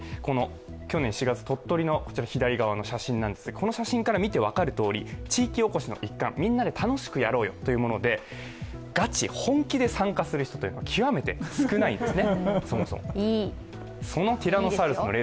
この写真から見てわかるとおり地域おこしの一環みんなで楽しくやろうよというもので、ガチ、本気で参加する人というのは極めて少ないんですね。